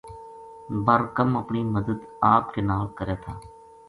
ہر کم اپنی مدد آپ کے نال کرے تھا